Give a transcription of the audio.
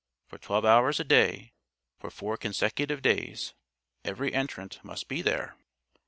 For twelve hours a day for four consecutive days every entrant must be there.